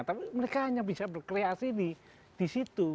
tapi mereka hanya bisa berkreasi di situ